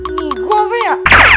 ini gua punya